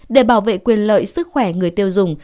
để bảo vệ quyền lợi sức khỏe người tiêu dùng